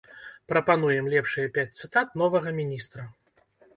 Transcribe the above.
Прапануем лепшыя пяць цытат новага міністра.